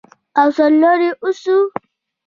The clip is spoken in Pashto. او سرلوړي اوسو.